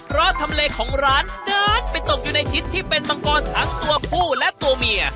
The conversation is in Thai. เพราะทำเลของร้านเดินไปตกอยู่ในทิศที่เป็นมังกรทั้งตัวผู้และตัวเมีย